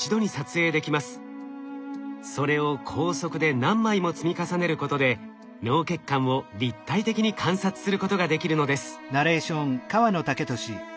それを高速で何枚も積み重ねることで脳血管を立体的に観察することができるのです。